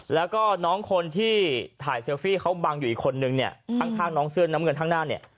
แล้วก็น้องคนที่ถ่ายเซลฟี่เขาบังอยู่อีกคนนึงเนี่ยข้างน้องเสื้อน้ำเงินข้างหน้าเนี่ย